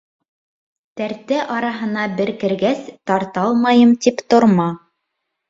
Тәртә араһына бер кергәс, «тарта алмайым» тип торма.